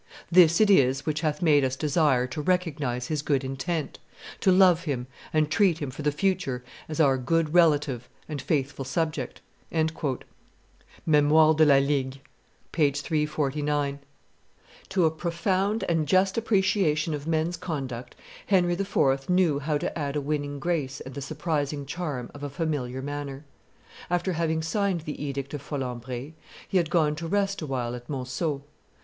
This it is which hath made us desire to recognize his good intent, to love him and treat him for the future as our good relative and faithful subject." [Memoires de la Ligue, t. vi. p. 349.] [Illustration: The Castle of Monceaux 91] To a profound and just appreciation of men's conduct Henry IV. knew how to add a winning grace and the surprising charm of a familiar manner. After having signed the edict of Folembray, he had gone to rest a while at Monceaux.